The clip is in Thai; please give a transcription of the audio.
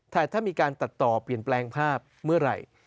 แต่ถ้ามีการตัดต่อเปลี่ยนแปลงภาพเมื่อไหร่